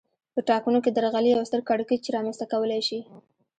په ټاکنو کې درغلي یو ستر کړکېچ رامنځته کولای شي